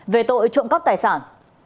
về tội trộm cắp tài sản